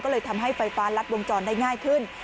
ก็เลยทำให้ไฟฟ้ารัดวงจรได้ง่ายขึ้น